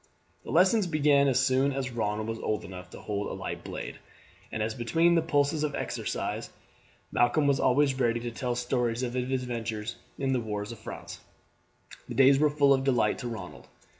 The lessons began as soon as Ronald was old enough to hold a light blade, and as between the pauses of exercise Malcolm was always ready to tell stories of his adventures in the wars of France, the days were full of delight to Ronald.